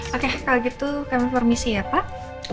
oke kalau gitu kami permisi ya pak